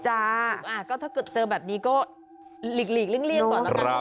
อ่าก็ถ้าเจอแบบนี้ก็หลีกเรียงก่อนนะครับ